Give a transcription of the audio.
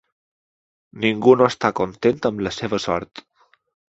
Ningú no està content amb la seva sort.